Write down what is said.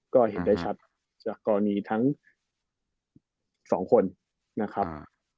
ก็เห็นได้ชัดจากกรณีทั้งสองคนนะครับ